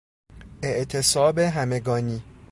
اعتصاب همگانی